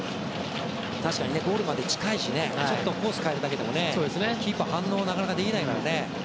確かにゴールまで近いしねちょっとコースを変えるだけでもキーパー、反応がなかなかできないからね。